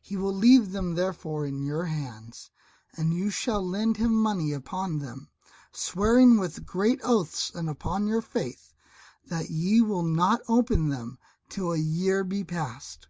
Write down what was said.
He will leave them therefore in your hands, and you shall lend him money upon them, swearing with great oaths and upon your faith, that ye will not open them till a year be past."